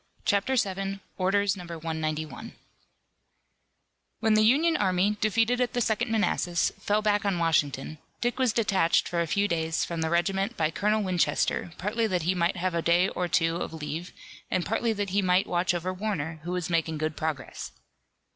CHAPTER VII. ORDERS NO. 191 When the Union army, defeated at the Second Manassas fell back on Washington, Dick was detached for a few days from the regiment by Colonel Winchester, partly that he might have a day or two of leave, and partly that he might watch over Warner, who was making good progress.